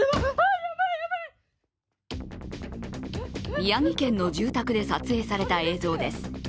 宮城県の住宅で撮影された映像です。